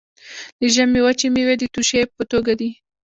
د ژمي وچې میوې د توشې په توګه دي.